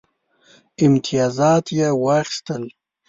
امتیازات یې واخیستل.